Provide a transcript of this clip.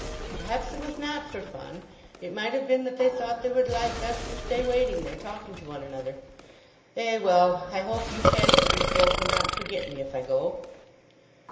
"Perhaps it was not for fun. It might have been that they thought they would like us to stay waiting there, talking to one another? Ay, well! I hope you Casterbridge folk will not forget me if I go."